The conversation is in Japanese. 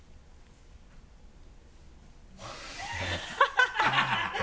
ハハハ